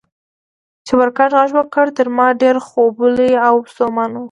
چپرکټ غږ وکړ، تر ما ډېر خوبولی او ستومانه و.